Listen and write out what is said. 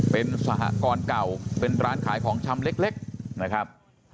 เป็นสหกรณ์เก่าเป็นร้านขายของชำเล็กนะครับ